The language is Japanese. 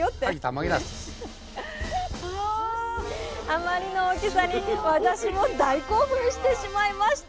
あまりの大きさに私も大興奮してしまいました。